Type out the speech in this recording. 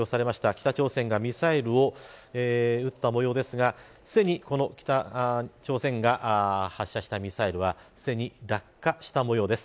北朝鮮がミサイルを撃った模様ですがすでに、北朝鮮が発射したミサイルはすでに落下したもようです。